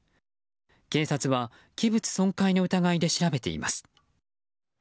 警察は器物損壊の疑いで調べています。